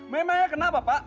memangnya kenapa pak